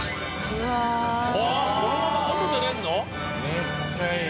めっちゃいい。